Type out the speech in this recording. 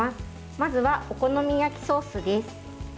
まずは、お好み焼きソースです。